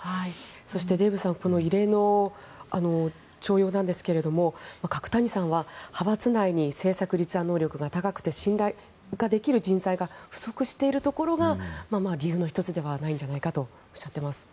そして、デーブさん異例の重用なんですが角谷さんは派閥内に政策立案能力が高くて信頼ができる人材が不足しているところが理由の１つではないかとおっしゃっています。